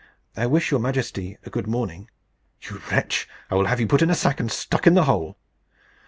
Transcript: "I wish your majesty a good morning." "You wretch! I will have you put in a sack, and stuck in the hole."